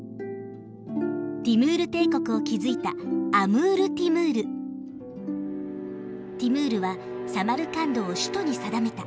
ティムール帝国を築いたティムールはサマルカンドを首都に定めた。